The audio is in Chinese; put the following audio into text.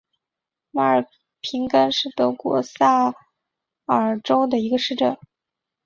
马尔平根是德国萨尔州的一个市镇。